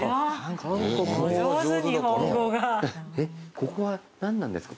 ここは何なんですか？